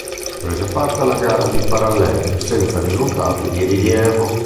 Prese parte alla gara di parallele, senza risultati di rilievo.